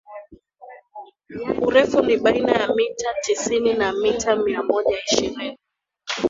urefu ni baina ya mita tisini na mita mia moja ishirini